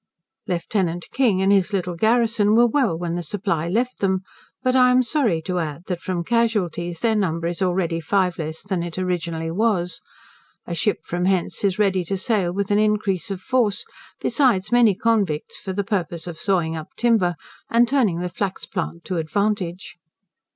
Lieut. King and his little garrison were well when the 'Supply' left them: but I am sorry to add, that, from casualties, their number is already five less than it originally was. A ship from hence is ready to sail with an increase of force, besides many convicts for the purpose of sawing up timber, and turning the flax plant to advantage.